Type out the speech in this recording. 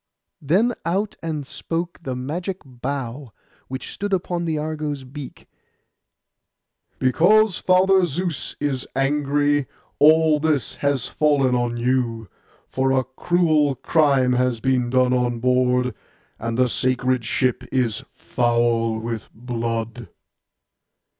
Then out and spoke the magic bough which stood upon the Argo's beak, 'Because Father Zeus is angry, all this has fallen on you; for a cruel crime has been done on board, and the sacred ship is foul with blood.